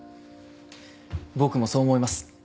僕もそう思います。